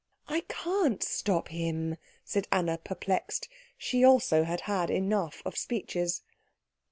"I can't stop him," said Anna, perplexed. She also had had enough of speeches.